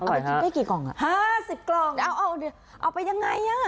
จริงได้กี่กล่องอ่ะห้าสิบกล่องเอาเดี๋ยวเอาไปยังไงอ่ะ